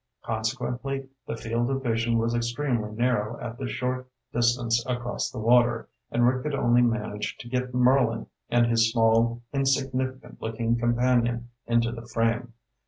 Consequently, the field of vision was extremely narrow at the short distance across the water, and Rick could only manage to get Merlin and his small, insignificant looking companion into the frame.